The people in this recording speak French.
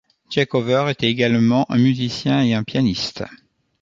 Tchekhover était également un musicien et un pianiste.